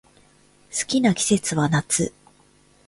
好きな季節は夏